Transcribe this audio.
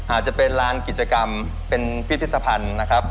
อาจจะเป็นร้านกิจกรรมเป็นพิพิธภัณฑ์นะครับ